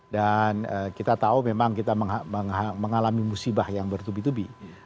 dan kita tahu memang kita mengalami musibah yang bertubi tubi